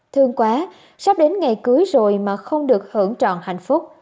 thương quá sắp đến ngày cưới rồi mà không được hưởng trọn hạnh phúc